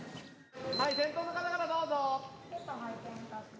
はい先頭の方からどうぞ！